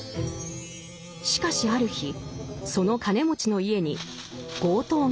しかしある日その金持ちの家に強盗が侵入する。